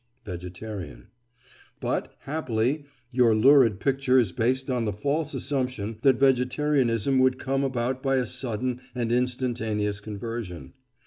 VEGETARIAN: But, happily, your lurid picture is based on the false assumption that vegetarianism would come about by a sudden and instantaneous conversion.